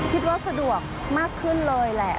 สะดวกมากขึ้นเลยแหละ